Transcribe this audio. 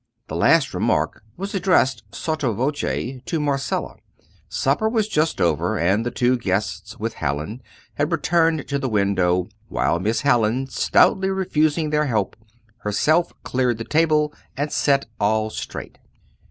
The last remark was addressed sotto voce to Marcella. Supper was just over, and the two guests, with Hallin, had returned to the window, while Miss Hallin, stoutly refusing their help, herself cleared the table and set all straight.